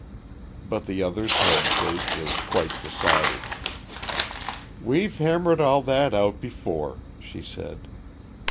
But the other's head shake was quite decided. "We've hammered all that out before," she said.